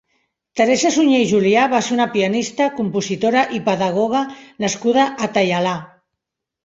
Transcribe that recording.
Teresa Suñer i Julià va ser una pianista, compositora i pedagoga nascuda a Taialà.